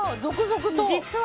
実は。